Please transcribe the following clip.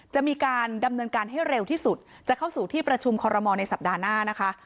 จะมีการดำเนินการให้เร็วที่สุดจะเข้าสู่ที่ประชุมคอรมอลในสัปดาห์หน้านะคะ